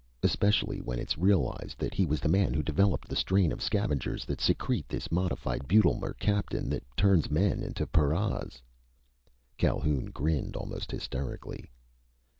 Especially when it's realized that he was the man who developed the strain of scavengers that secrete this modified butyl mercaptan that turns men into paras!" Calhoun grinned almost hysterically.